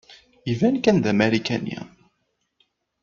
Iban kan d Amarikani.